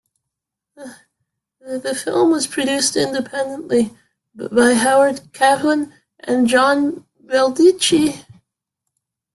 The film was produced independently by Howard Kaplan and John Baldecchi.